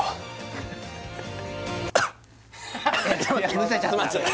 むせちゃった